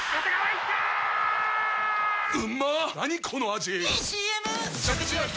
⁉いいＣＭ！！